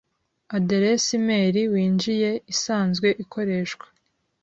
Aderesi imeri winjiye isanzwe ikoreshwa.